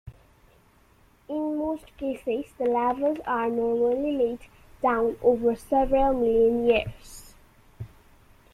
In most cases, the lavas are normally laid down over several million years.